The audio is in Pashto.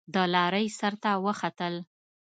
د لارۍ سر ته وختل.